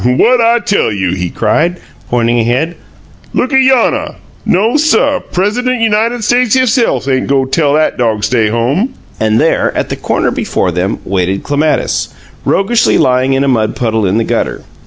"What I tell you?" he cried, pointing ahead. "Look ayonnuh! NO, suh, Pres'dent United States hisse'f ain' go tell 'at dog stay home!" And there, at the corner before them, waited Clematis, roguishly lying in a mud puddle in the gutter.